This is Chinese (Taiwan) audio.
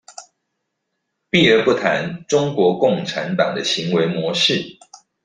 避而不談中國共產黨的行為模式